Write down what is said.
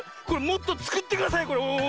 これもっとつくってください！